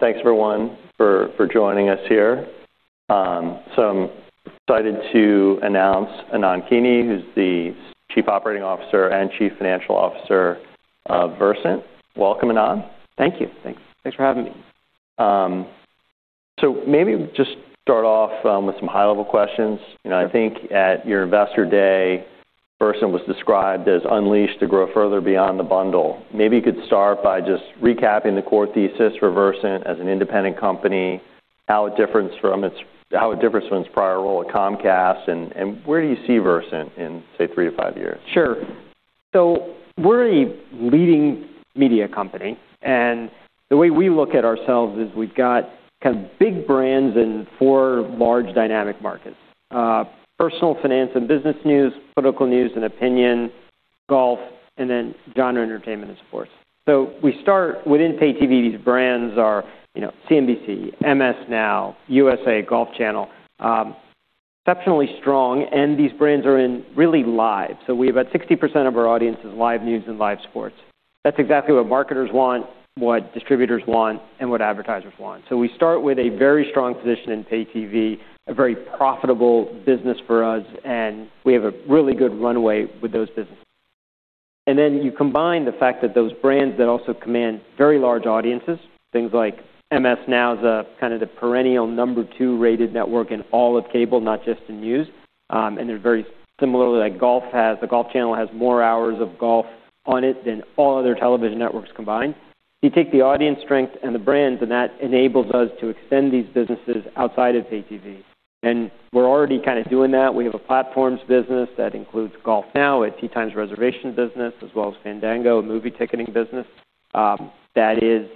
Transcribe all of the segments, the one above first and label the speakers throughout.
Speaker 1: Thanks everyone for joining us here. I'm excited to announce Anand Kini, who's the Chief Operating Officer and Chief Financial Officer of Versant. Welcome, Anand.
Speaker 2: Thank you. Thanks for having me.
Speaker 1: Maybe just start off with some high-level questions. You know, I think at your Investor Day, Versant was described as unleashed to grow further beyond the bundle. Maybe you could start by just recapping the core thesis for Versant as an independent company, how it differs from its prior role at Comcast, and where do you see Versant in, say, three to five years?
Speaker 2: Sure. We're a leading media company, and the way we look at ourselves is we've got kind of big brands in four large dynamic markets: Personal Finance and Business News, Political News and Opinion, Golf, and then Genre Entertainment and Sports. We start within pay TV. These brands are, you know, CNBC, MS NOW, USA, Golf Channel, exceptionally strong, and these brands are in really live. We have about 60% of our audience is live news and live sports. That's exactly what marketers want, what distributors want, and what advertisers want. We start with a very strong position in pay TV, a very profitable business for us, and we have a really good runway with those businesses. You combine the fact that those brands that also command very large audiences, things like MS NOW is, kind of the perennial number two rated network in all of cable, not just in news. They're very similar to, like, the Golf Channel has more hours of golf on it than all other television networks combined. You take the audience strength and the brands, and that enables us to extend these businesses outside of pay TV. We're already kinda doing that. We have a platforms business that includes GolfNow, a tee times reservation business, as well as Fandango, a movie ticketing business, that is,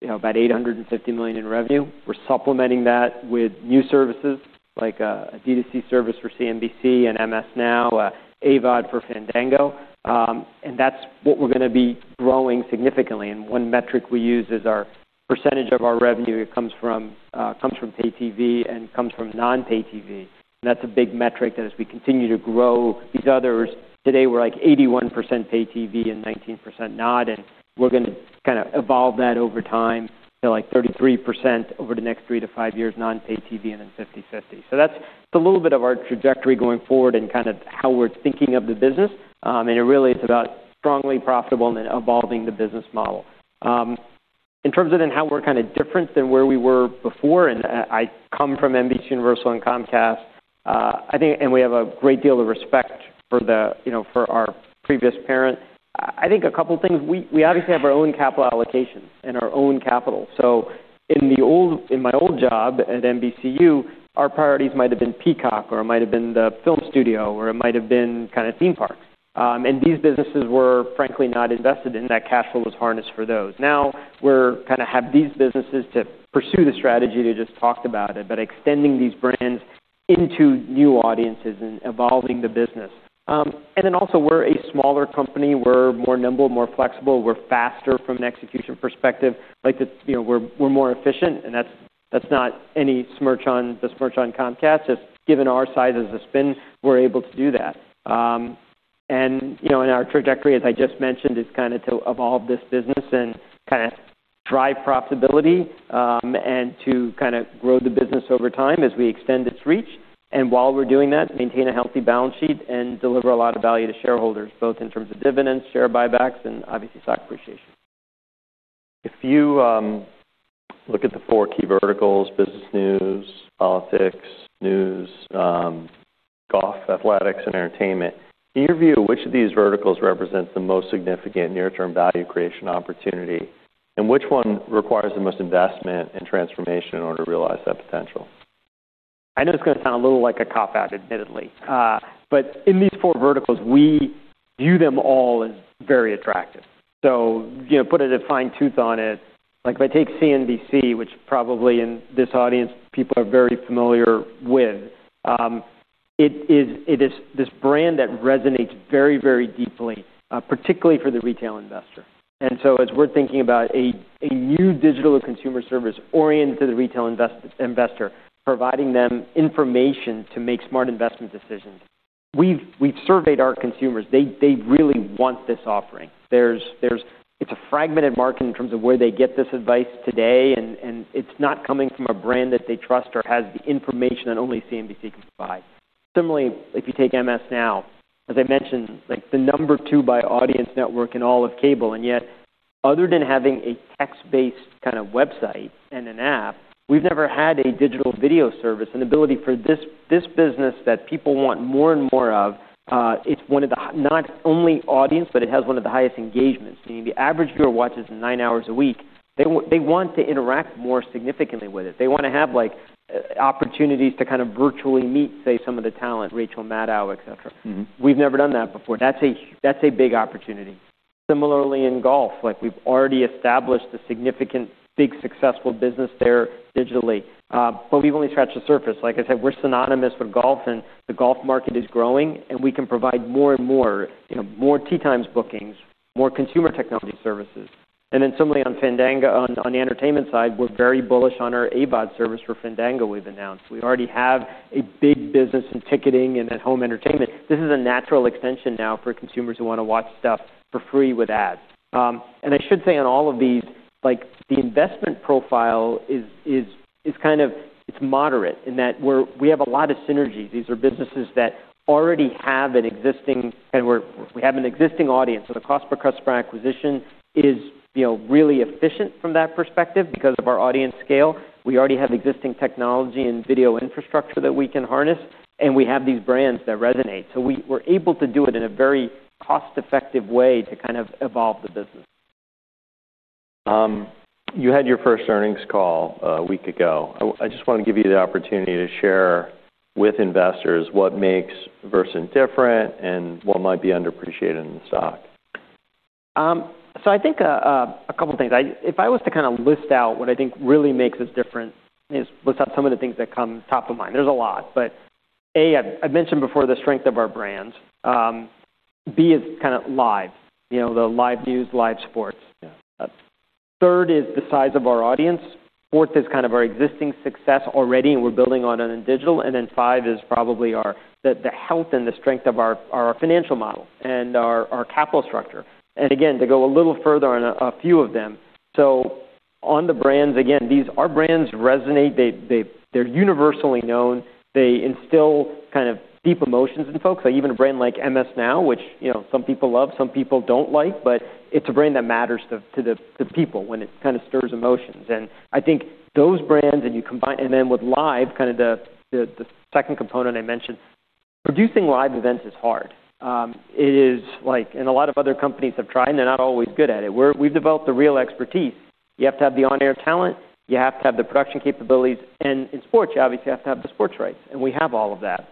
Speaker 2: you know, about $850 million in revenue. We're supplementing that with new services like a D2C service for CNBC and MS NOW, AVOD for Fandango, and that's what we're gonna be growing significantly. One metric we use is our percentage of our revenue that comes from pay TV and comes from non-pay TV. That's a big metric. As we continue to grow these others, today we're, like, 81% pay TV and 19% not. We're gonna kinda evolve that over time to, like, 33% over the next three-five years non-pay TV and then 50/50. That's a little bit of our trajectory going forward and kind of how we're thinking of the business. It really is about strongly profitable and then evolving the business model. In terms of then how we're kinda different than where we were before, and I come from NBCUniversal and Comcast, I think. We have a great deal of respect for the, you know, for our previous parent. I think a couple of things. We obviously have our own capital allocations and our own capital. In the old, in my old job at NBCU, our priorities might have been Peacock, or it might have been the film studio, or it might have been kinda theme parks. These businesses were frankly not invested in. That cash flow was harnessed for those. Now, we kinda have these businesses to pursue the strategy we just talked about, but extending these brands into new audiences and evolving the business. We're a smaller company. We're more nimble, more flexible. We're faster from an execution perspective. Like, you know, we're more efficient, and that's not any smirch on Comcast. It's given our size as a spin, we're able to do that. You know, our trajectory, as I just mentioned, is kinda to evolve this business and kinda drive profitability, and to kinda grow the business over time as we extend its reach. While we're doing that, maintain a healthy balance sheet and deliver a lot of value to shareholders, both in terms of dividends, share buybacks, and obviously stock appreciation.
Speaker 1: If you look at the four key verticals, Business News, Politics, News, Golf, Athletics, and Entertainment, in your view, which of these verticals represents the most significant near-term value creation opportunity, and which one requires the most investment and transformation in order to realize that potential?
Speaker 2: I know it's gonna sound a little like a cop-out, admittedly. In these four verticals, we view them all as very attractive. You know, putting a fine point on it, like, if I take CNBC, which probably in this audience people are very familiar with, it is this brand that resonates very, very deeply, particularly for the retail investor. As we're thinking about a new digital consumer service oriented to the retail investor, providing them information to make smart investment decisions. We've surveyed our consumers. They really want this offering. There's. It's a fragmented market in terms of where they get this advice today, and it's not coming from a brand that they trust or has the information that only CNBC can provide. Similarly, if you take MS NOW, as I mentioned, like, the number two by audience network in all of cable, and yet other than having a text-based kind of website and an app, we've never had a digital video service, an ability for this business that people want more and more of, it's one of the, not only audience, but it has one of the highest engagements. I mean, the average viewer watches nine hours a week. They want to interact more significantly with it. They wanna have, like, opportunities to kind of virtually meet, say, some of the talent, Rachel Maddow, et cetera.
Speaker 1: Mm-hmm.
Speaker 2: We've never done that before. That's a big opportunity. Similarly in Golf, like, we've already established a significant, big, successful business there digitally, but we've only scratched the surface. Like I said, we're synonymous with Golf, and the Golf market is growing, and we can provide more and more, you know, more tee times bookings, more consumer technology services. Then similarly on Fandango, on the entertainment side, we're very bullish on our AVOD service for Fandango we've announced. We already have a big business in ticketing and at-home entertainment. This is a natural extension now for consumers who wanna watch stuff for free with ads. I should say on all of these. Like the investment profile is kind of. It's moderate in that we have a lot of synergies. These are businesses that already have an existing audience, so the cost per customer acquisition is, you know, really efficient from that perspective because of our audience scale. We already have existing technology and video infrastructure that we can harness, and we have these brands that resonate. We're able to do it in a very cost-effective way to kind of evolve the business.
Speaker 1: You had your first earnings call a week ago. I just wanna give you the opportunity to share with investors what makes Versant different and what might be underappreciated in the stock.
Speaker 2: I think a couple things. If I was to kind of list out what I think really makes us different is list out some of the things that come top of mind. There's a lot. A, I've mentioned before the strength of our brands. B is kinda live, you know, the live news, live sports.
Speaker 1: Yeah.
Speaker 2: Third is the size of our audience. Fourth is kind of our existing success already, and we're building on it in digital. Five is probably the health and the strength of our financial model and our capital structure. To go a little further on a few of them. On the brands, again, these our brands resonate. They’re universally known. They instill kind of deep emotions in folks. Even a brand like MS NOW, which, you know, some people love, some people don't like, but it's a brand that matters to the people when it kind of stirs emotions. And I think those brands and you combine with live, kind of the second component I mentioned. Producing live events is hard. It is like. A lot of other companies have tried, and they're not always good at it. We've developed the real expertise. You have to have the on-air talent. You have to have the production capabilities. In sports, you obviously have to have the sports rights. We have all of that.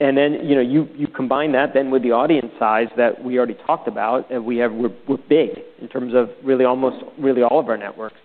Speaker 2: Then, you know, you combine that then with the audience size that we already talked about, and we're big in terms of really almost all of our networks.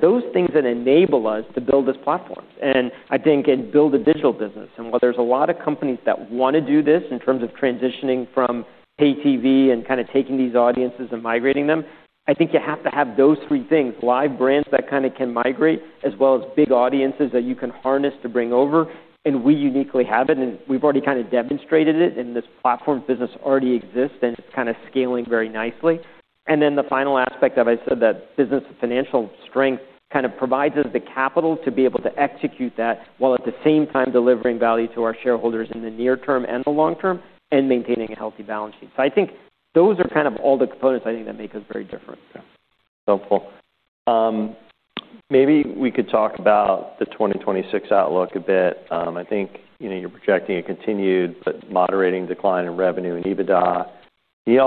Speaker 2: Those things that enable us to build this platform and I think, and build a digital business. While there's a lot of companies that wanna do this in terms of transitioning from pay TV and kinda taking these audiences and migrating them, I think you have to have those three things, live brands that kinda can migrate, as well as big audiences that you can harness to bring over. We uniquely have it, and we've already kind of demonstrated it, and this platform business already exists, and it's kinda scaling very nicely. The final aspect of, I said, the business financial strength kind of provides us the capital to be able to execute that while at the same time delivering value to our shareholders in the near term and the long term and maintaining a healthy balance sheet. I think those are kind of all the components I think that make us very different.
Speaker 1: Yeah. Helpful. Maybe we could talk about the 2026 outlook a bit. I think, you know, you're projecting a continued but moderating decline in revenue and EBITDA. Can you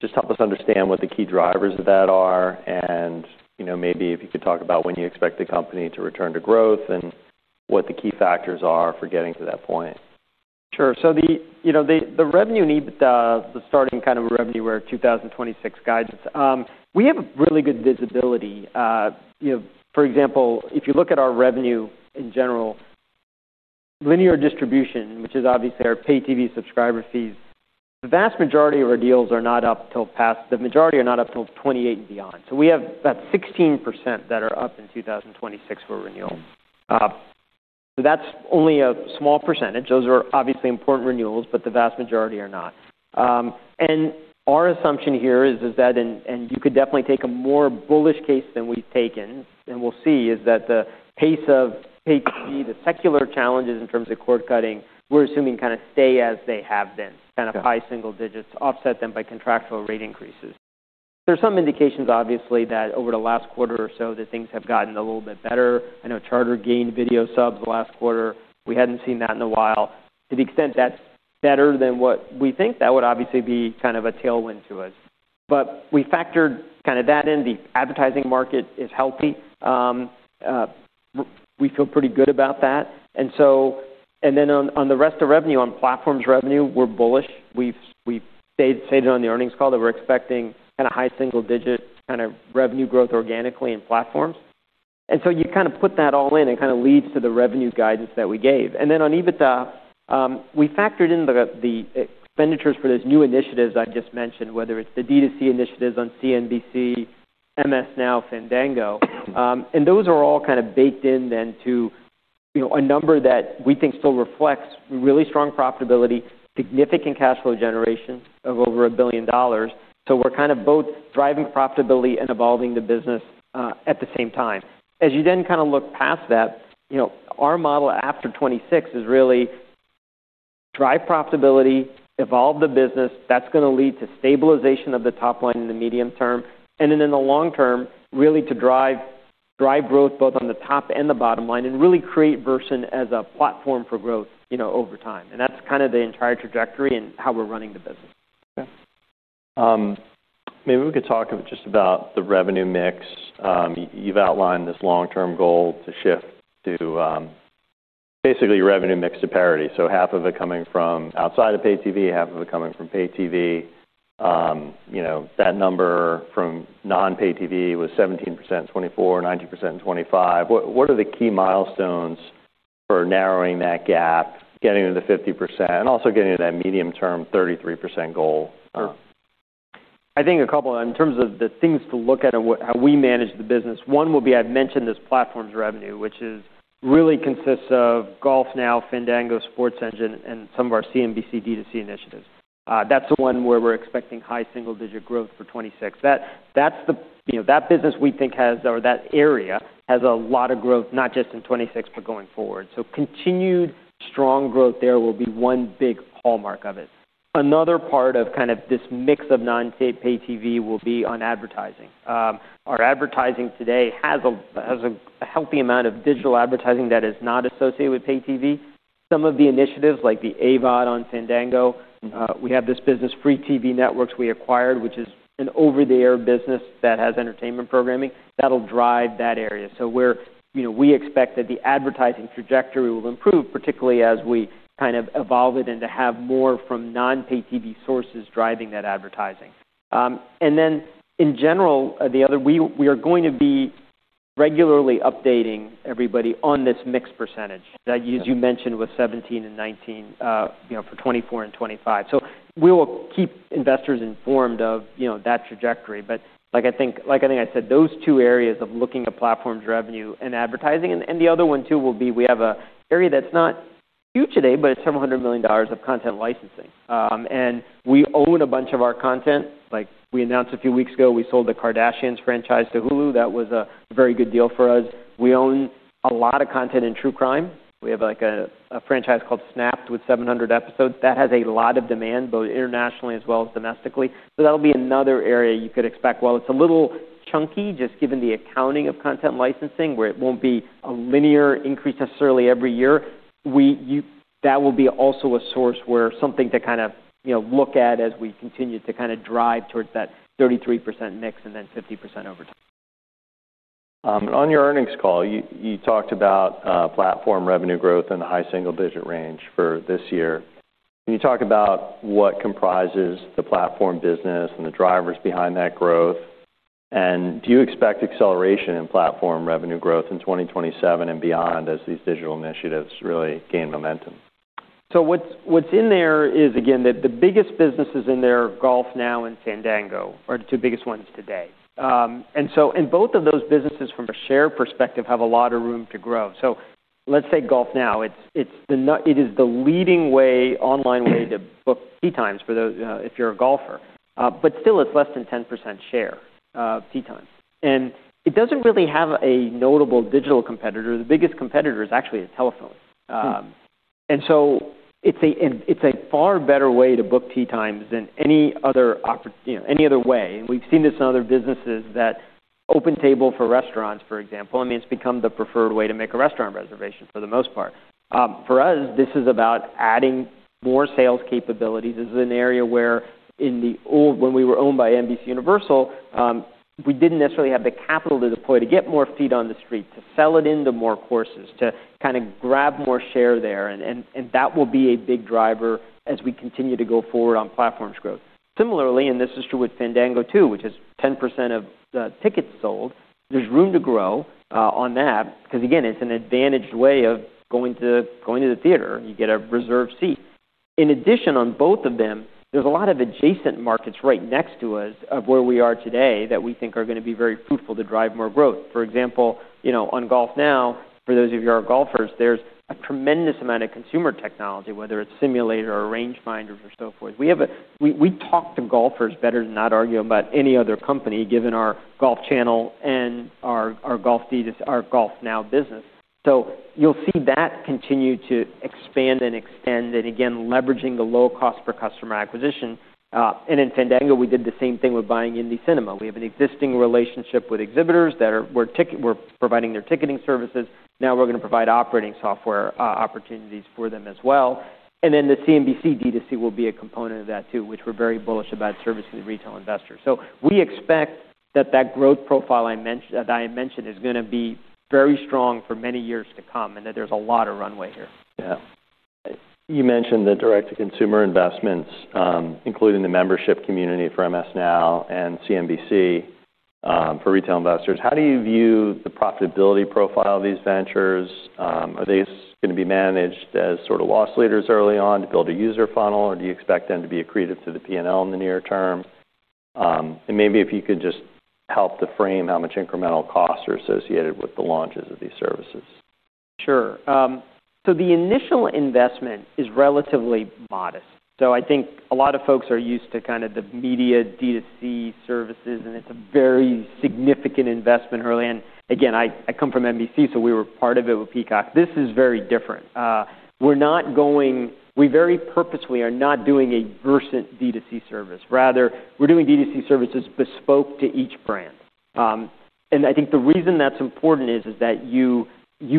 Speaker 1: just help us understand what the key drivers of that are, and, you know, maybe if you could talk about when you expect the company to return to growth and what the key factors are for getting to that point?
Speaker 2: Sure. You know, the revenue and EBITDA, the starting kind of revenue where 2026 guides us, we have really good visibility. You know, for example, if you look at our revenue in general, linear distribution, which is obviously our pay TV subscriber fees, the vast majority of our deals are not up till 2028 and beyond. We have about 16% that are up in 2026 for renewal. That's only a small percentage. Those are obviously important renewals, but the vast majority are not. Our assumption here is that you could definitely take a more bullish case than we've taken, and we'll see the pace of pay TV, the secular challenges in terms of cord cutting, we're assuming kinda stay as they have been.
Speaker 1: Okay.
Speaker 2: Kind of high single digits, offset them by contractual rate increases. There's some indications obviously that over the last quarter or so that things have gotten a little bit better. I know Charter gained video subs last quarter. We hadn't seen that in a while. To the extent that's better than what we think, that would obviously be kind of a tailwind to us. We factored kind of that in. The advertising market is healthy. We feel pretty good about that. On the rest of revenue, on platforms revenue, we're bullish. We've stated it on the earnings call that we're expecting kinda high single digit kind of revenue growth organically in platforms. You kinda put that all in, it kinda leads to the revenue guidance that we gave. Then on EBITDA, we factored in the expenditures for these new initiatives I just mentioned, whether it's the D2C initiatives on CNBC, MS NOW, Fandango. Those are all kind of baked in, then to, you know, a number that we think still reflects really strong profitability, significant cash flow generation of over $1 billion. We're kind of both driving profitability and evolving the business at the same time. As you then kinda look past that, you know, our model after 2026 is really drive profitability, evolve the business. That's gonna lead to stabilization of the top line in the medium term. In the long term, really to drive growth both on the top and the bottom line and really create Versant as a platform for growth, you know, over time. That's kind of the entire trajectory and how we're running the business.
Speaker 1: Okay. Maybe we could talk just about the revenue mix. You've outlined this long-term goal to shift to basically revenue mix to parity, so half of it coming from outside of pay TV, half of it coming from pay TV. You know, that number from non-pay TV was 17% in 2024, 19% in 2025. What are the key milestones for narrowing that gap, getting to the 50%, and also getting to that medium-term 33% goal?
Speaker 2: I think a couple. In terms of the things to look at how we manage the business, one will be. I've mentioned this Platforms revenue, which really consists of GolfNow, Fandango, SportsEngine, and some of our CNBC D2C initiatives. That's the one where we're expecting high single-digit growth for 2026. That's the, you know, that business we think has or that area has a lot of growth, not just in 2026 but going forward. Continued strong growth there will be one big hallmark of it. Another part of kind of this mix of non-pay TV will be on advertising. Our advertising today has a healthy amount of digital advertising that is not associated with pay TV. Some of the initiatives like the AVOD on Fandango, we have this business, Free TV Networks, we acquired, which is an over-the-air business that has entertainment programming that'll drive that area. You know, we expect that the advertising trajectory will improve, particularly as we kind of evolve it and to have more from non-pay TV sources driving that advertising. In general, we are going to be regularly updating everybody on this mix percentage that, as you mentioned, was 17% and 19%, you know, for 2024 and 2025. We will keep investors informed of, you know, that trajectory. Like, I think I said, those two areas of looking at Platforms revenue and advertising. The other one too will be we have an area that's not huge today, but it's several hundred million dollars of content licensing. We own a bunch of our content. Like we announced a few weeks ago, we sold the Kardashians franchise to Hulu. That was a very good deal for us. We own a lot of content in True-Crime. We have, like, a franchise called Snapped with 700 episodes. That has a lot of demand, both internationally as well as domestically. That'll be another area you could expect. While it's a little chunky, just given the accounting of content licensing, where it won't be a linear increase necessarily every year, that will be also a source where something to kind of, you know, look at as we continue to kinda drive towards that 33% mix and then 50% over time.
Speaker 1: On your earnings call, you talked about Platform revenue growth in the high single-digit range for this year. Can you talk about what comprises the Platform business and the drivers behind that growth? Do you expect acceleration in Platform revenue growth in 2027 and beyond as these digital initiatives really gain momentum?
Speaker 2: What's in there is, again, the biggest businesses in there are GolfNow and Fandango, the two biggest ones today. Both of those businesses from a share perspective have a lot of room to grow. Let's take GolfNow. It is the leading online way to book tee times for those if you're a golfer. But still it's less than 10% share of tee time. It doesn't really have a notable digital competitor. The biggest competitor is actually a telephone. It's a far better way to book tee times than you know, any other way. We've seen this in other businesses like OpenTable for restaurants, for example. I mean, it's become the preferred way to make a restaurant reservation for the most part. For us, this is about adding more sales capabilities. This is an area where when we were owned by NBCUniversal, we didn't necessarily have the capital to deploy to get more feet on the street, to sell it into more courses, to kinda grab more share there. That will be a big driver as we continue to go forward on Platforms growth. Similarly, this is true with Fandango too, which is 10% of tickets sold. There's room to grow on that 'cause again, it's an advantaged way of going to the theater. You get a reserved seat. In addition on both of them, there's a lot of adjacent markets right next to us of where we are today that we think are gonna be very fruitful to drive more growth. For example, you know, on GolfNow, for those of you who are golfers, there's a tremendous amount of consumer technology, whether it's simulator or range finders or so forth. We talk to golfers better than that argument about any other company given our Golf Channel and our Golf thesis, our GolfNow business. You'll see that continue to expand and extend and again, leveraging the low cost per customer acquisition. In Fandango, we did the same thing with buying INDY Cinema Group. We have an existing relationship with exhibitors that we're providing their ticketing services. Now we're gonna provide operating software opportunities for them as well. The CNBC D2C will be a component of that too, which we're very bullish about servicing the retail investors. We expect that growth profile that I mentioned is gonna be very strong for many years to come, and that there's a lot of runway here.
Speaker 1: Yeah. You mentioned the direct-to-consumer investments, including the membership community for MS NOW and CNBC, for retail investors. How do you view the profitability profile of these ventures? Are these gonna be managed as sort of loss leaders early on to build a user funnel, or do you expect them to be accretive to the P&L in the near term? Maybe if you could just help to frame how much incremental costs are associated with the launches of these services.
Speaker 2: Sure. The initial investment is relatively modest. I think a lot of folks are used to kinda the media D2C services, and it's a very significant investment early. Again, I come from NBC, so we were part of it with Peacock. This is very different. We very purposefully are not doing a Versant D2C service. Rather, we're doing D2C services bespoke to each brand. I think the reason that's important is that you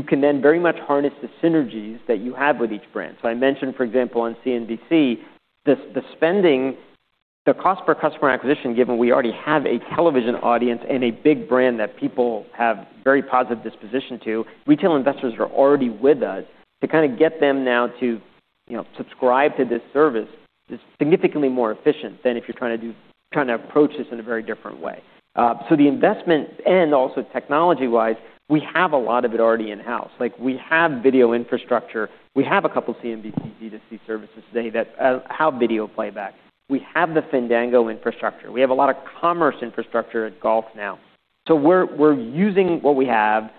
Speaker 2: can then very much harness the synergies that you have with each brand. I mentioned, for example, on CNBC, the spending, the cost per customer acquisition, given we already have a television audience and a big brand that people have very positive disposition to, retail investors are already with us. To kinda get them now to, you know, subscribe to this service is significantly more efficient than if you're trying to approach this in a very different way. The investment and also technology-wise, we have a lot of it already in-house. Like, we have video infrastructure. We have a couple CNBC D2C services today that have video playback. We have the Fandango infrastructure. We have a lot of commerce infrastructure at GolfNow. We're using what we have.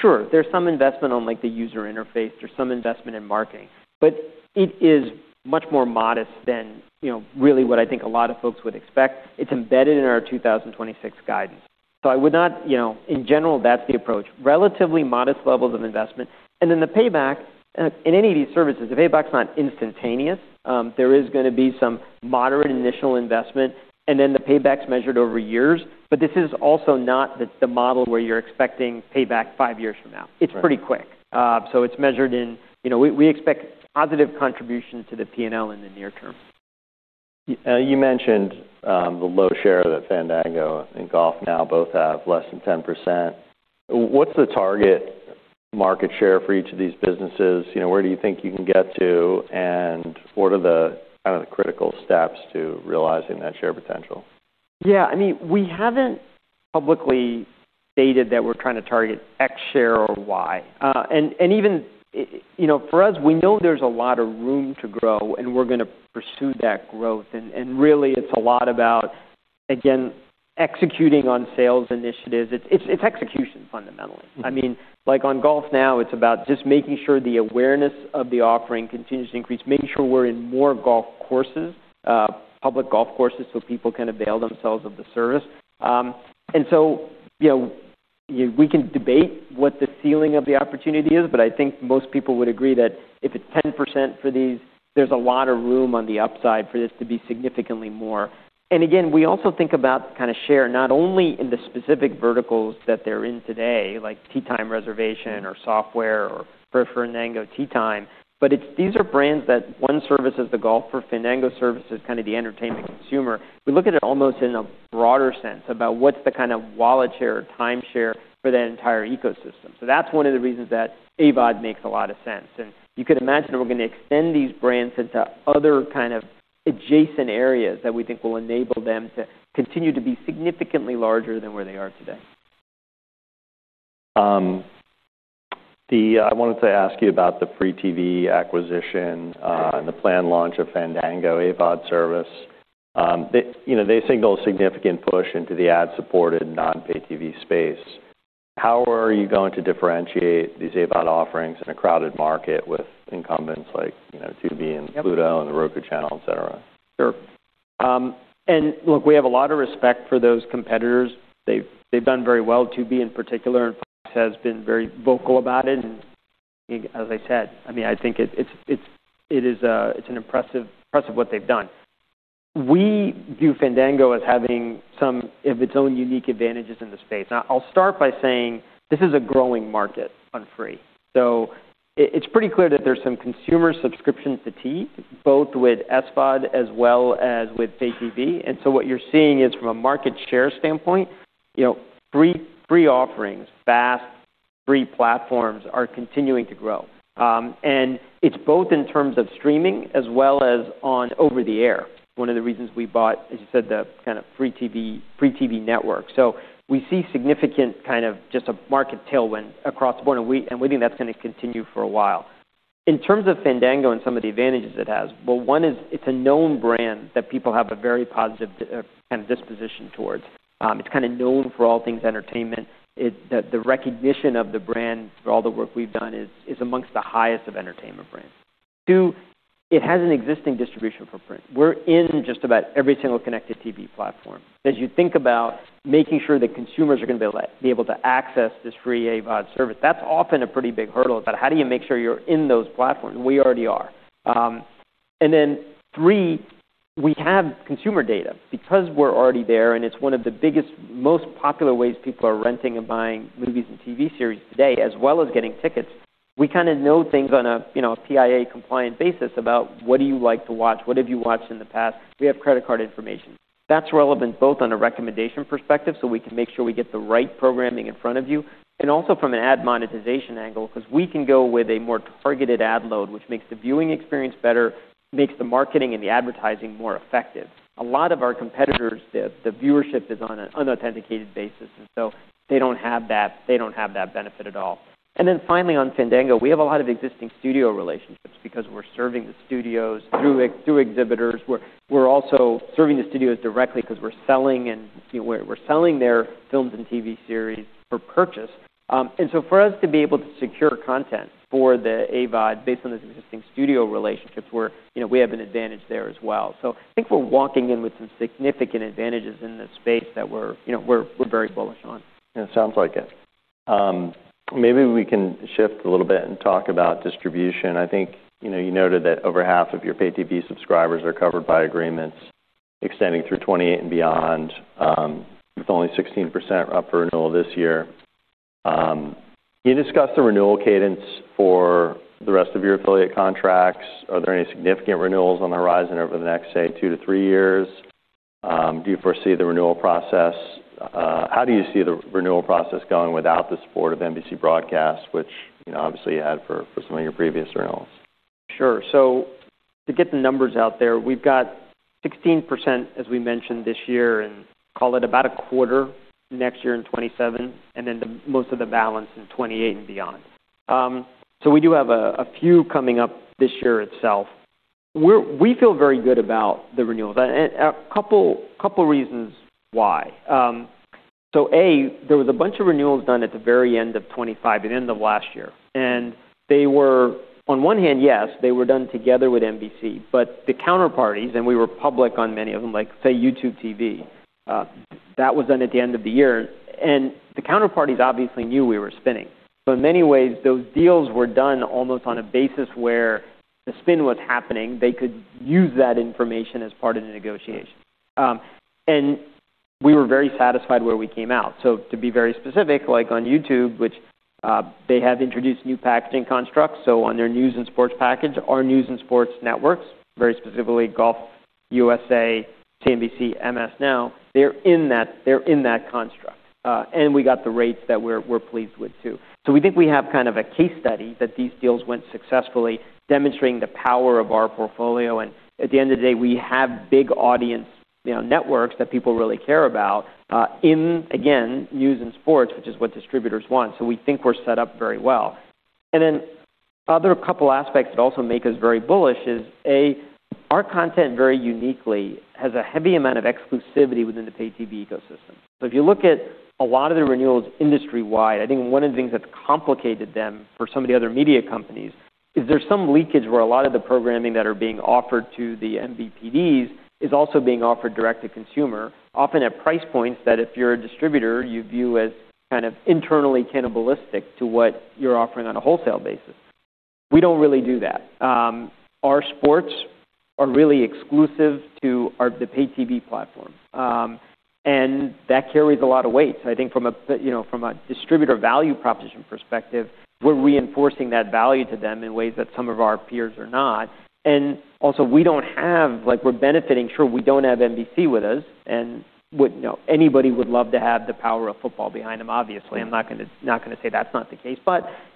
Speaker 2: Sure, there's some investment on, like, the user interface. There's some investment in marketing. It is much more modest than, you know, really what I think a lot of folks would expect. It's embedded in our 2026 guidance. I would not. In general, that's the approach. Relatively modest levels of investment. The payback in any of these services, the payback's not instantaneous. There is gonna be some moderate initial investment, and then the payback's measured over years. This is also not the model where you're expecting payback five years from now.
Speaker 1: Right.
Speaker 2: It's pretty quick. It's measured in. You know, we expect positive contribution to the P&L in the near term.
Speaker 1: You mentioned the low share that Fandango and GolfNow both have less than 10%. What's the target market share for each of these businesses? You know, where do you think you can get to, and what are the kind of the critical steps to realizing that share potential?
Speaker 2: Yeah. I mean, we haven't publicly stated that we're trying to target X share or Y. You know, for us, we know there's a lot of room to grow, and we're gonna pursue that growth. Really it's a lot about, again, executing on sales initiatives. It's execution fundamentally.
Speaker 1: Mm-hmm.
Speaker 2: I mean, like on GolfNow, it's about just making sure the awareness of the offering continues to increase, making sure we're in more Golf courses, public Golf courses so people can avail themselves of the service. You know, we can debate what the ceiling of the opportunity is, but I think most people would agree that if it's 10% for these, there's a lot of room on the upside for this to be significantly more. Again, we also think about the kinda share, not only in the specific verticals that they're in today, like tee time reservation or software or for Fandango, tee time, but it's these are brands that one service is the golfer, Fandango services kind of the entertainment consumer. We look at it almost in a broader sense about what's the kind of wallet share or time share for that entire ecosystem. That's one of the reasons that AVOD makes a lot of sense. You could imagine that we're gonna extend these brands into other kind of adjacent areas that we think will enable them to continue to be significantly larger than where they are today.
Speaker 1: I wanted to ask you about the Free TV acquisition and the planned launch of Fandango AVOD service. They, you know, they signal a significant push into the ad-supported non-pay TV space. How are you going to differentiate these AVOD offerings in a crowded market with incumbents like, you know, Tubi and Pluto and The Roku Channel, et cetera?
Speaker 2: Sure. Look, we have a lot of respect for those competitors. They've done very well, Tubi in particular, and Lachlan Murdoch has been very vocal about it. As I said, I mean, I think it's an impressive what they've done. We view Fandango as having some of its own unique advantages in the space. Now I'll start by saying this is a growing market on free. It's pretty clear that there's some consumer subscription fatigue, both with SVOD as well as with pay TV. What you're seeing is from a market share standpoint, you know, free offerings, FAST, free platforms are continuing to grow. It's both in terms of streaming as well as over the air. One of the reasons we bought, as you said, the kind of Free TV Networks. We see significant kind of just a market tailwind across the board, and we think that's gonna continue for a while. In terms of Fandango and some of the advantages it has, well, one is it's a known brand that people have a very positive kind of disposition towards. It's kinda known for all things entertainment. The recognition of the brand through all the work we've done is amongst the highest of entertainment brands. Two, it has an existing distribution footprint. We're in just about every single connected TV platform. As you think about making sure that consumers are gonna be able to access this free AVOD service, that's often a pretty big hurdle. How do you make sure you're in those platforms? We already are. Then three, we have consumer data. Because we're already there and it's one of the biggest, most popular ways people are renting and buying movies and TV series today, as well as getting tickets, we kinda know things on a, you know, a PII-compliant basis about what do you like to watch? What have you watched in the past? We have credit card information. That's relevant both on a recommendation perspective, so we can make sure we get the right programming in front of you, and also from an ad monetization angle, 'cause we can go with a more targeted ad load, which makes the viewing experience better, makes the marketing and the advertising more effective. A lot of our competitors, the viewership is on an unauthenticated basis, and so they don't have that, they don't have that benefit at all. Finally, on Fandango, we have a lot of existing studio relationships because we're serving the studios through exhibitors. We're also serving the studios directly 'cause we're selling their films and TV series for purchase. For us to be able to secure content for the AVOD based on those existing studio relationships, we have an advantage there as well. I think we're walking in with some significant advantages in this space that we're very bullish on.
Speaker 1: It sounds like it. Maybe we can shift a little bit and talk about distribution. I think, you know, you noted that over half of your pay TV subscribers are covered by agreements extending through 2028 and beyond, with only 16% up for renewal this year. Can you discuss the renewal cadence for the rest of your affiliate contracts? Are there any significant renewals on the horizon over the next, say, two to three years? How do you see the renewal process going without the support of NBC broadcast, which, you know, obviously you had for some of your previous renewals?
Speaker 2: Sure. To get the numbers out there, we've got 16%, as we mentioned this year, and call it about a quarter next year in 2027, and then most of the balance in 2028 and beyond. We do have a few coming up this year itself. We feel very good about the renewal. And a couple reasons why. A, there was a bunch of renewals done at the very end of 2025 and end of last year, and they were on one hand, yes, they were done together with NBC, but the counterparties and we were public on many of them, like say YouTube TV, that was done at the end of the year. The counterparties obviously knew we were spinning. In many ways, those deals were done almost on a basis where the spin was happening. They could use that information as part of the negotiation. We were very satisfied where we came out. To be very specific, like on YouTube, which they have introduced new packaging constructs. On their news and sports package, our news and sports networks, very specifically Golf Channel, USA Network, CNBC, MS NOW, they're in that construct. We got the rates that we're pleased with too. We think we have kind of a case study that these deals went successfully demonstrating the power of our portfolio. At the end of the day, we have big audience, you know, networks that people really care about, in again, news and sports, which is what distributors want. We think we're set up very well. Then other couple aspects that also make us very bullish is A, our content very uniquely has a heavy amount of exclusivity within the pay TV ecosystem. If you look at a lot of the renewals industry-wide, I think one of the things that's complicated them for some of the other media companies is there's some leakage where a lot of the programming that are being offered to the MVPDs is also being offered direct to consumer, often at price points that if you're a distributor, you view as kind of internally cannibalistic to what you're offering on a wholesale basis. We don't really do that. Our sports are really exclusive to the pay TV platform. That carries a lot of weight. I think from a you know from a distributor value proposition perspective, we're reinforcing that value to them in ways that some of our peers are not. Also we don't have, like we're benefiting. Sure, we don't have NBC with us and anybody would love to have the power of football behind them obviously. I'm not gonna say that's not the case.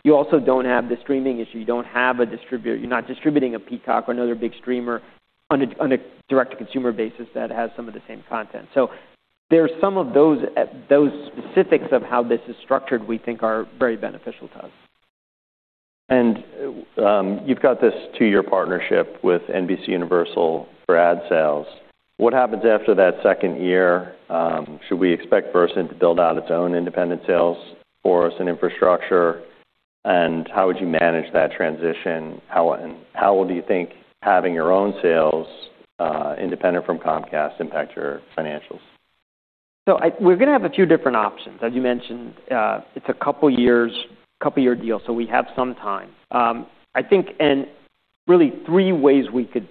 Speaker 2: You also don't have the streaming issue. You don't have a distributor. You're not distributing a Peacock or another big streamer on a direct-to-consumer basis that has some of the same content. There's some of those specifics of how this is structured, we think are very beneficial to us.
Speaker 1: You've got this two-year partnership with NBCUniversal for ad sales. What happens after that second year? Should we expect Versant to build out its own independent sales force and infrastructure? How would you manage that transition? How do you think having your own sales independent from Comcast will impact your financials?
Speaker 2: We're gonna have a few different options. As you mentioned, it's a couple-year deal, so we have some time. I think really three ways we could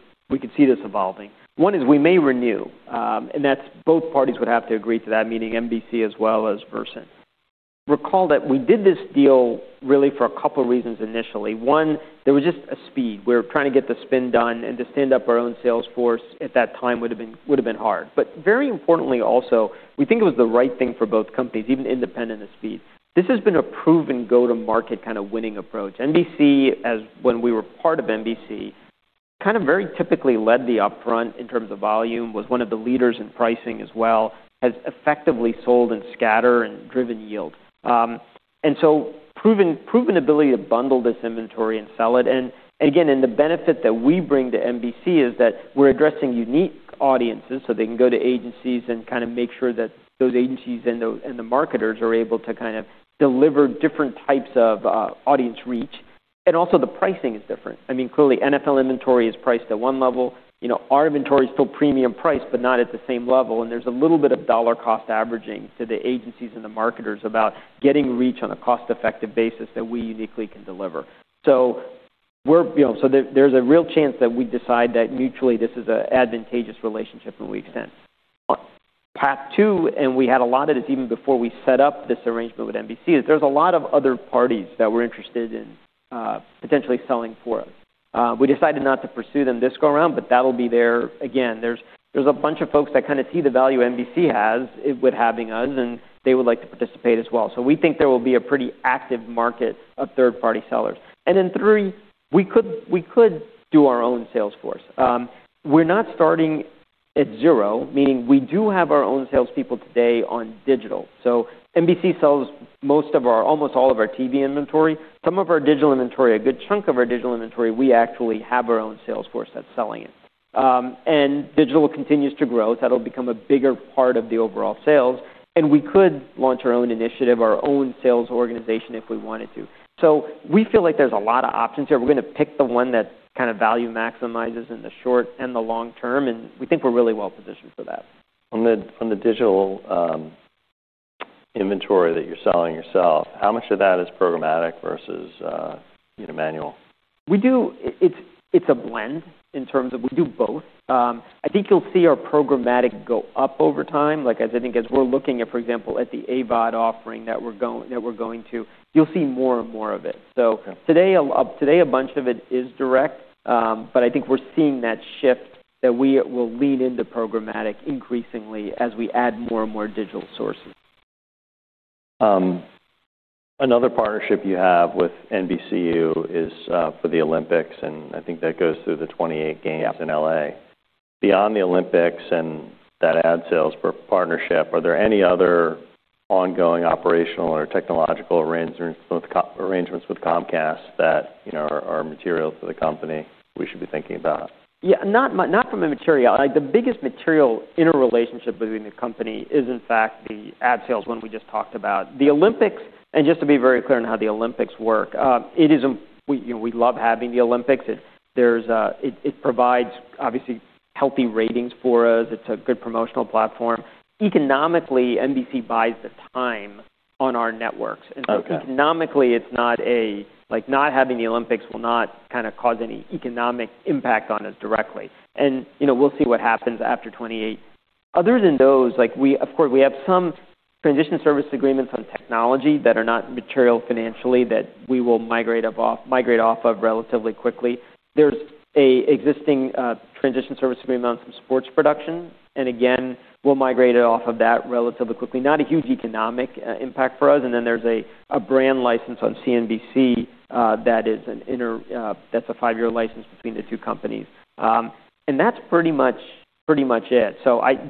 Speaker 2: see this evolving. One is we may renew, that's both parties would have to agree to that, meaning NBC as well as Versant. Recall that we did this deal really for a couple reasons initially. One, there was just a speed. We were trying to get the spin done and to stand up our own sales force at that time would've been hard. Very importantly also, we think it was the right thing for both companies, even independent of speed. This has been a proven go-to-market kind of winning approach. NBC, as when we were part of NBC, kind of very typically led the upfront in terms of volume, was one of the leaders in pricing as well, has effectively sold and scatter and driven yield. Proven ability to bundle this inventory and sell it. The benefit that we bring to NBC is that we're addressing unique audiences so they can go to agencies and kind of make sure that those agencies and the marketers are able to kind of deliver different types of audience reach. Also the pricing is different. I mean, clearly NFL inventory is priced at one level. You know, our inventory is still premium price, but not at the same level. There's a little bit of dollar cost averaging to the agencies and the marketers about getting reach on a cost-effective basis that we uniquely can deliver. We're, you know, there's a real chance that we decide that mutually this is an advantageous relationship and we extend. Part two, we had a lot of this even before we set up this arrangement with NBC. There's a lot of other parties that we're interested in potentially selling for us. We decided not to pursue them this go around, but that'll be there. Again, there's a bunch of folks that kind of see the value NBC has it with having us, and they would like to participate as well. We think there will be a pretty active market of third-party sellers. Then three, we could do our own sales force. We're not starting at zero, meaning we do have our own salespeople today on digital. NBC sells most of our, almost all of our TV inventory. Some of our digital inventory, a good chunk of our digital inventory, we actually have our own sales force that's selling it. Digital continues to grow, so that'll become a bigger part of the overall sales, and we could launch our own initiative, our own sales organization if we wanted to. We feel like there's a lot of options here. We're gonna pick the one that kind of value maximizes in the short and the long term, and we think we're really well positioned for that.
Speaker 1: On the digital inventory that you're selling yourself, how much of that is programmatic versus, you know, manual?
Speaker 2: We do. It's a blend in terms of we do both. I think you'll see our programmatic go up over time. Like as I think we're looking at, for example, the AVOD offering that we're going to, you'll see more and more of it.
Speaker 1: Okay.
Speaker 2: Today a bunch of it is direct. I think we're seeing that shift that we will lean into programmatic increasingly as we add more and more digital sources.
Speaker 1: Another partnership you have with NBCU is for the Olympics, and I think that goes through the 2028 games in L.A. Beyond the Olympics and that ad sales partnership, are there any other ongoing operational or technological arrangements with Comcast that, you know, are material to the company we should be thinking about?
Speaker 2: Yeah. Not from a material. Like, the biggest material interrelationship between the company is in fact the ad sales one we just talked about. The Olympics. Just to be very clear on how the Olympics work, we, you know, we love having the Olympics. It provides obviously healthy ratings for us. It's a good promotional platform. Economically, NBC buys the time on our networks.
Speaker 1: Okay.
Speaker 2: Economically, it's not a like not having the Olympics will not kinda cause any economic impact on us directly. You know, we'll see what happens after 2028. Other than those, we of course have some transition service agreements on technology that are not material financially that we will migrate off of relatively quickly. There's an existing transition service agreement on some sports production, and again, we'll migrate it off of that relatively quickly. Not a huge economic impact for us. Then there's a brand license on CNBC that that's a five-year license between the two companies. And that's pretty much it.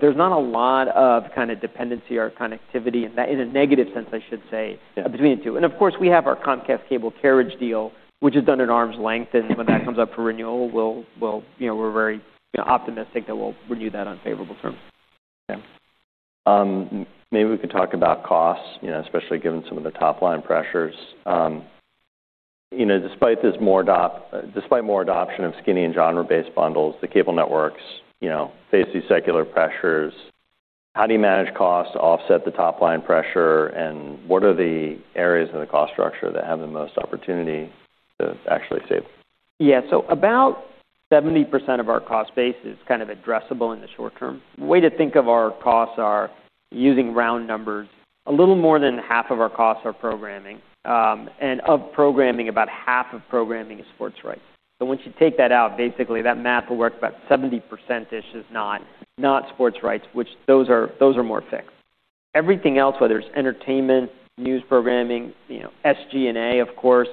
Speaker 2: There's not a lot of kinda dependency or connectivity in that, in a negative sense, I should say.
Speaker 1: Yeah
Speaker 2: between the two. Of course, we have our Comcast Cable carriage deal, which is done at arm's length. When that comes up for renewal, we'll, you know, we're very, you know, optimistic that we'll renew that on favorable terms.
Speaker 1: Okay. Maybe we could talk about costs, you know, especially given some of the top line pressures. You know, despite more adoption of skinny and genre-based bundles, the cable networks, you know, face these secular pressures. How do you manage costs to offset the top line pressure, and what are the areas of the cost structure that have the most opportunity to actually save?
Speaker 2: Yeah. About 70% of our cost base is kind of addressable in the short term. One way to think of our costs is using round numbers. A little more than half of our costs are programming, and of programming, about half of programming is sports rights. Once you take that out, basically that math will work about 70-ish% is not sports rights, which those are more fixed. Everything else, whether it's entertainment, news programming, you know, SG&A, of course,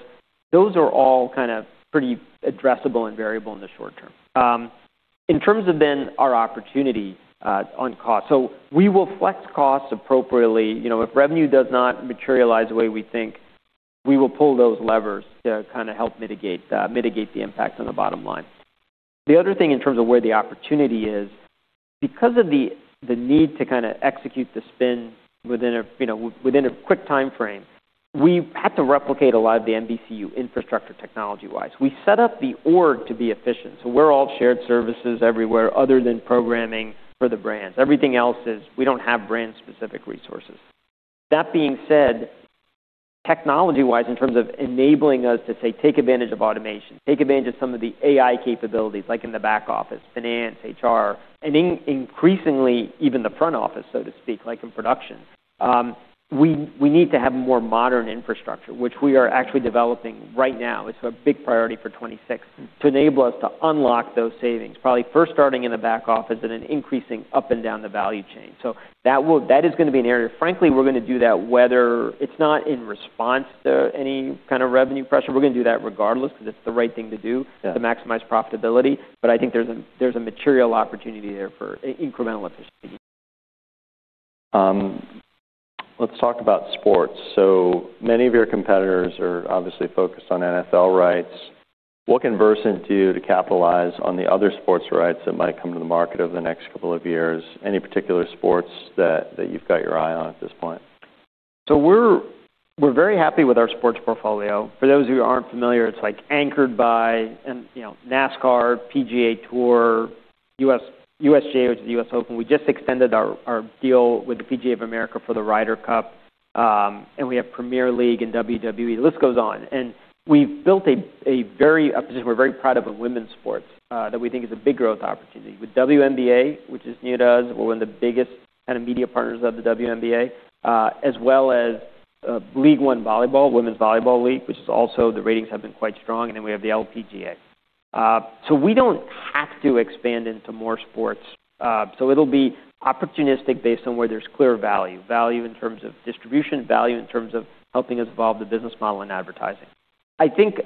Speaker 2: those are all kind of pretty addressable and variable in the short term. In terms of then our opportunity on cost. We will flex costs appropriately. You know, if revenue does not materialize the way we think, we will pull those levers to kinda help mitigate the impact on the bottom line. The other thing in terms of where the opportunity is, because of the need to kinda execute the spin within a quick timeframe, you know, we have to replicate a lot of the NBCU infrastructure technology-wise. We set up the org to be efficient, so we're all shared services everywhere other than programming for the brands. Everything else is we don't have brand-specific resources. That being said, technology-wise, in terms of enabling us to, say, take advantage of automation, take advantage of some of the AI capabilities, like in the back office, finance, HR, and increasingly, even the front office, so to speak, like in production, we need to have more modern infrastructure, which we are actually developing right now. It's a big priority for 2026 to enable us to unlock those savings, probably first starting in the back office and then increasing up and down the value chain. That is gonna be an area. Frankly, we're gonna do that. It's not in response to any kind of revenue pressure. We're gonna do that regardless because it's the right thing to do.
Speaker 1: Yeah
Speaker 2: to maximize profitability, I think there's a material opportunity there for incremental efficiency.
Speaker 1: Let's talk about sports. Many of your competitors are obviously focused on NFL rights. What can Versant do to capitalize on the other sports rights that might come to the market over the next couple of years? Any particular sports that you've got your eye on at this point?
Speaker 2: We're very happy with our sports portfolio. For those who aren't familiar, it's like anchored by you know NASCAR, PGA Tour, USGA, which is the U.S. Open. We just extended our deal with the PGA of America for the Ryder Cup. We have Premier League and WWE. The list goes on. We've built a very position we're very proud of in women's sports that we think is a big growth opportunity. With WNBA, which is new to us, we're one of the biggest kinda media partners of the WNBA as well as League One Volleyball, women's volleyball league, which is also the ratings have been quite strong, and then we have the LPGA. We don't have to expand into more sports. It'll be opportunistic based on where there's clear value. Value in terms of distribution, value in terms of helping us evolve the business model and advertising. I think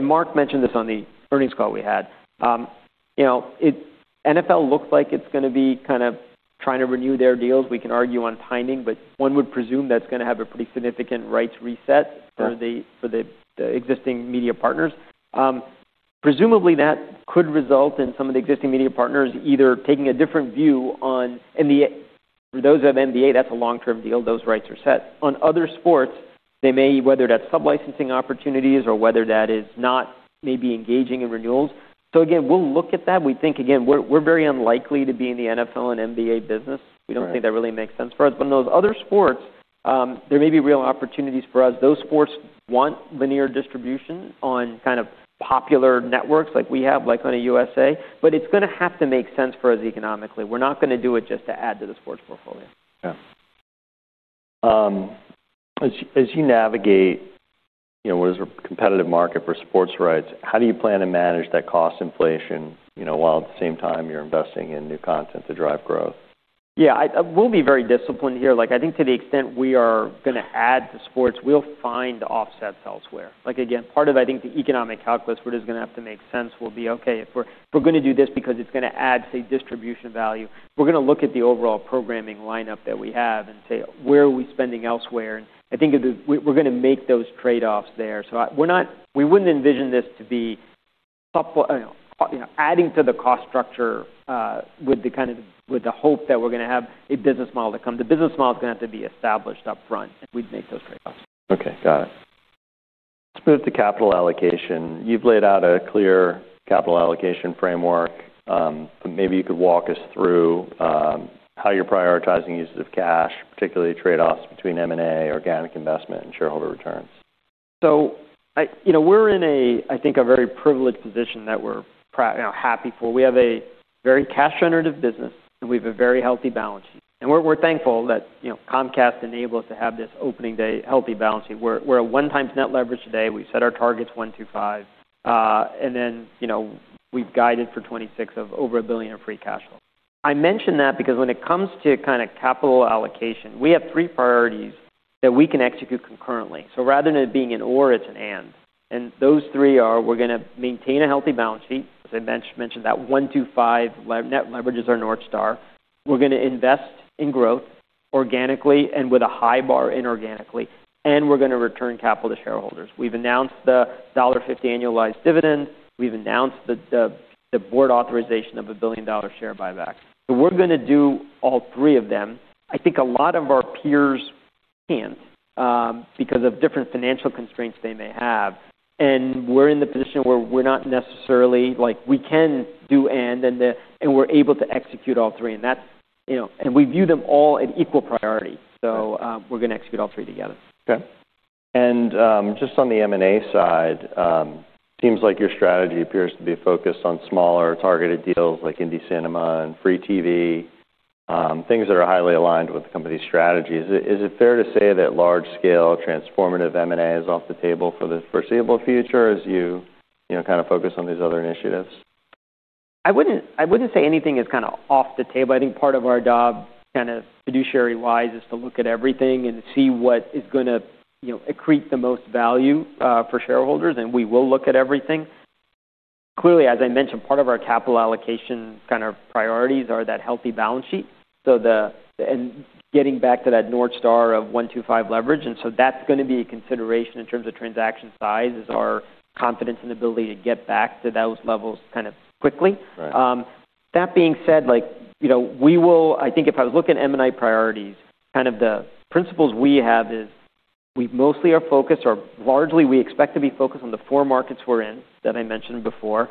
Speaker 2: Mark mentioned this on the earnings call we had. You know, the NFL looks like it's gonna be kind of trying to renew their deals. We can argue on timing, but one would presume that's gonna have a pretty significant rights reset.
Speaker 1: Yeah
Speaker 2: for the existing media partners. Presumably, that could result in some of the existing media partners either taking a different view on NBA. For those of NBA, that's a long-term deal. Those rights are set. On other sports, they may, whether that's sub-licensing opportunities or whether that is not maybe engaging in renewals. We'll look at that. We think, again, we're very unlikely to be in the NFL and NBA business.
Speaker 1: Right.
Speaker 2: We don't think that really makes sense for us. In those other sports, there may be real opportunities for us. Those sports want linear distribution on kind of popular networks like we have, like on a USA, but it's gonna have to make sense for us economically. We're not gonna do it just to add to the sports portfolio.
Speaker 1: Yeah. As you navigate, you know, what is a competitive market for sports rights, how do you plan to manage that cost inflation, you know, while at the same time you're investing in new content to drive growth?
Speaker 2: Yeah, we'll be very disciplined here. Like, I think to the extent we are gonna add to sports, we'll find offsets elsewhere. Like, again, part of, I think, the economic calculus, we're just gonna have to make sense. We'll be okay. If we're gonna do this because it's gonna add, say, distribution value. We're gonna look at the overall programming lineup that we have and say, "Where are we spending elsewhere?" I think it is. We're gonna make those trade-offs there. We wouldn't envision this to be up, you know, adding to the cost structure, with the kind of, with the hope that we're gonna have a business model that comes. The business model is gonna have to be established upfront, and we'd make those trade-offs.
Speaker 1: Okay. Got it. Let's move to capital allocation. You've laid out a clear capital allocation framework. Maybe you could walk us through how you're prioritizing uses of cash, particularly trade-offs between M&A, organic investment and shareholder returns.
Speaker 2: You know, we're in a, I think, a very privileged position that we're happy for. We have a very cash generative business, and we have a very healthy balance sheet. We're thankful that, you know, Comcast enabled us to have this opening day healthy balance sheet. We're a 1x net leverage today. We've set our targets 1x-5x. You know, we've guided for 2026 or over $1 billion of free cash flow. I mention that because when it comes to kind of capital allocation, we have three priorities that we can execute concurrently. Rather than it being an or, it's an and. Those three are. We're gonna maintain a healthy balance sheet, as I mentioned, that 1x-5x leverage is our North Star. We're gonna invest in growth organically and with a high bar inorganically. We're gonna return capital to shareholders. We've announced the $50 annualized dividend. We've announced the board authorization of $1 billion share buyback. We're gonna do all three of them. I think a lot of our peers can't because of different financial constraints they may have. We're in the position where we're able to execute all three. That's, you know, we view them all in equal priority. We're gonna execute all three together.
Speaker 1: Okay. Just on the M&A side, seems like your strategy appears to be focused on smaller targeted deals like INDY Cinema and Free TV, things that are highly aligned with the company's strategy. Is it fair to say that large-scale transformative M&A is off the table for the foreseeable future as you know, kinda focus on these other initiatives?
Speaker 2: I wouldn't say anything is kinda off the table. I think part of our job, kind of fiduciary-wise, is to look at everything and see what is gonna, you know, accrete the most value for shareholders, and we will look at everything. Clearly, as I mentioned, part of our capital allocation kind of priorities are that healthy balance sheet. Getting back to that North Star of 1x-5x leverage, that's gonna be a consideration in terms of transaction size is our confidence and ability to get back to those levels kind of quickly.
Speaker 1: Right.
Speaker 2: That being said, like, you know, I think if I was looking at M&A priorities, kind of the principles we have is we mostly are focused, or largely we expect to be focused on the four markets we're in, that I mentioned before.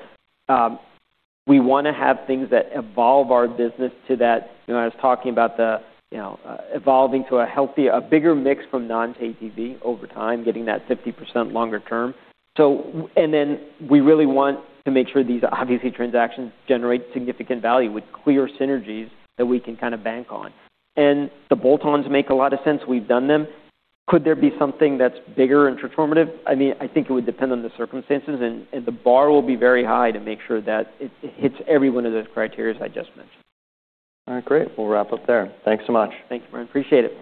Speaker 2: We wanna have things that evolve our business to that, you know, I was talking about the, you know, evolving to a healthy, a bigger mix from non-pay TV over time, getting that 50% longer term. We really want to make sure these, obviously, transactions generate significant value with clear synergies that we can kinda bank on. The bolt-ons make a lot of sense. We've done them. Could there be something that's bigger and transformative? I mean, I think it would depend on the circumstances and the bar will be very high to make sure that it hits every one of those criteria I just mentioned.
Speaker 1: All right, great. We'll wrap up there. Thanks so much.
Speaker 2: Thank you. I appreciate it.